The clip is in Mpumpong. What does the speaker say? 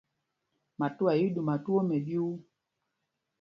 Matuá í í ɗuma twóó mɛɗyuu.